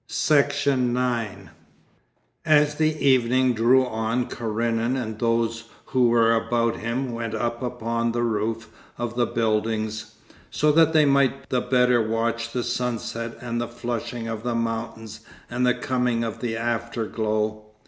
Section 9 As the evening drew on Karenin and those who were about him went up upon the roof of the buildings, so that they might the better watch the sunset and the flushing of the mountains and the coming of the afterglow.